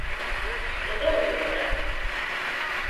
Тыдэ укӏора?